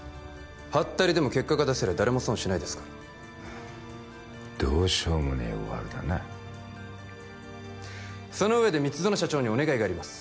ハッタリでも結果が出せりゃ誰も損しないですからどうしようもねえワルだなその上で蜜園社長にお願いがあります